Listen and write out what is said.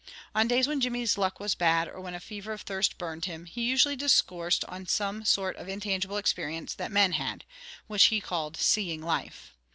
On days when Jimmy's luck was bad, or when a fever of thirst burned him, he usually discoursed on some sort of intangible experience that men had, which he called "seeing life."